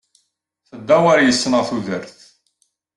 Teddawar yis-neɣ tudert.